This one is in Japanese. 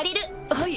はい！